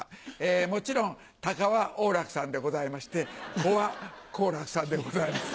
もちろん鷹は王楽さんでございまして子は好楽さんでございます。